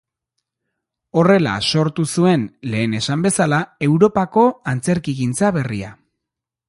Horrela sortu zuen, lehen esan bezala, Europako antzerkigintza berria.